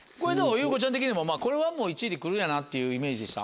優子ちゃん的にもこれはもう１位に来るよなっていうイメージでした？